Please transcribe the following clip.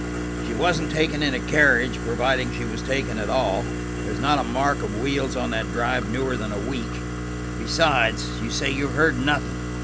She wasn't taken in a carriage, providing she was taken at all. There's not a mark of wheels on that drive newer than a week, and besides, you say you heard nothing."